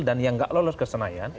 dan yang nggak lolos ke senayan